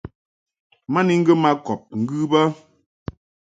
Ma ni ŋgə ma kɔb ŋgɨ bə.